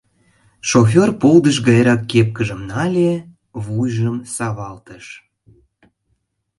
Шофёр полдыш гайрак кепкыжым нале, вуйжым савалтыш.